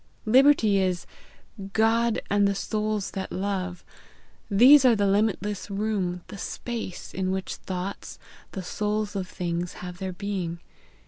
Liberty is God and the souls that love; these are the limitless room, the space, in which thoughts, the souls of things, have their being.